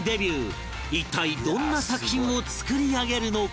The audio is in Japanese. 一体どんな作品を作り上げるのか？